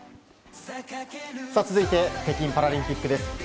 続いて北京パラリンピックです。